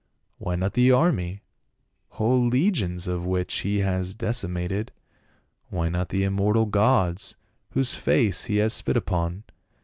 Why not the army, whole legions of which he has deci mated? Why not the immortal gods, whose faces he has spit upon ?